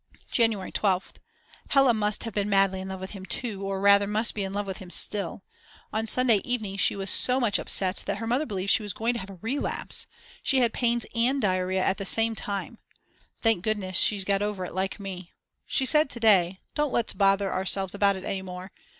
January 12th. Hella must have been madly in love with him too or rather must be in love with him still. On Sunday evening she was so much upset that her mother believed she was going to have a relapse. She had pains and diarrea at the same time. Thank goodness she's got over it like me. She said to day: Don't let's bother ourselves about it any more.